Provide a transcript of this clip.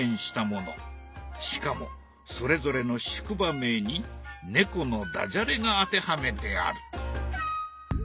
しかもそれぞれの宿場名に猫のダジャレが当てはめてある。